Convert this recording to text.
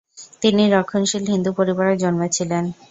তিনি রক্ষণশীল হিন্দু পরিবারে জন্মেছিলেন।